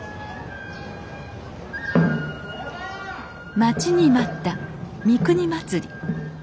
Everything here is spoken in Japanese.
待ちに待った三国祭。